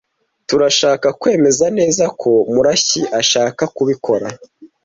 Turashaka kwemeza neza ko Murashyi ashaka kubikora.